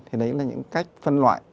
thì đấy là những cách phân loại